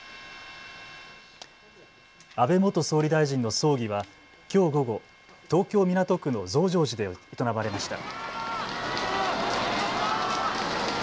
安倍元総理大臣の葬儀はきょう午後、東京港区の増上寺で営まれました。